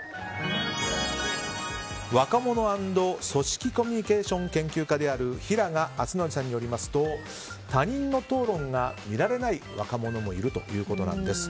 若者＆組織コミュニケーション研究家である平賀充記さんによりますと他人の討論が見られない若者もいるということなんです。